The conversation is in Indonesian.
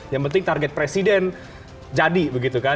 yang penting target presiden jadi begitu kan